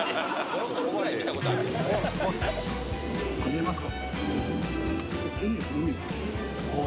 見えますか？